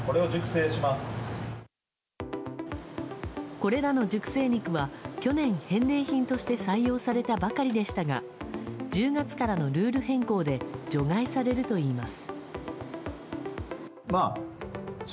これらの熟成肉は去年、返礼品として採用されたばかりでしたが１０月からのルール変更で除外されるといいます。